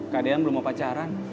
kadean belum mau pacaran